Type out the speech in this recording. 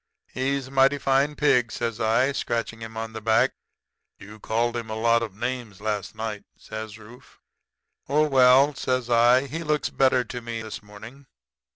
"'He's a mighty fine pig,' says I, scratching him on the back. "'You called him a lot of names last night,' says Rufe. "'Oh, well,' says I, 'he looks better to me this morning.